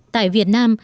tại việt nam